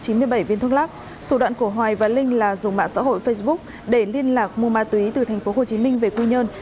thủ đoạn của huỳnh thanh hoài và linh là dùng mạng xã hội facebook để liên lạc mua ma túy từ thành phố hồ chí minh về quy nhơn